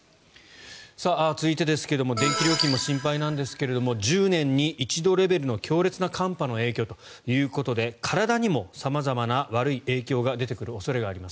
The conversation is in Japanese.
続いてですが電気料金も心配なんですが１０年に一度レベルの強烈な寒波の影響ということで体にも様々な悪い影響が出てくる恐れがあります。